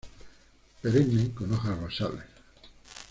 Perenne con hojas basales.